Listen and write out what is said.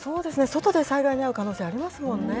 外で災害に遭う可能性ありますもんね。